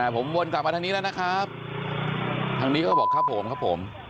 ผมวนกลับมาทางนี้แล้วนะครับทางนี้ก็บอกครับผมครับผม